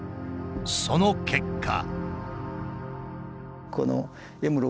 その結果。